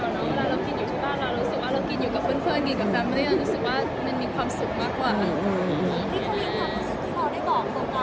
ว่าเรากินอยู่กับเพื่อนกินกับแฟมแมลียร์รู้สึกว่ามันมีความสุขมากกว่า